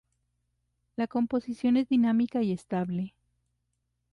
La composición es dinámica y estable.